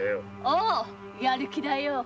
おおやる気だよ。